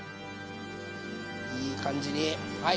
いい感じにはい。